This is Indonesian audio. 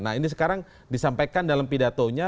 nah ini sekarang disampaikan dalam pidatonya